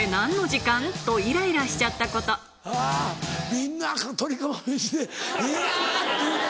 みんな鶏釜めしで「いや」って言うて。